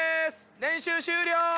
練習終了！